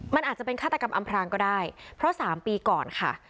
มันอาจจะเป็นฆาตกรรมอำพรางก็ได้เพราะ๓ปีก่อนค่ะ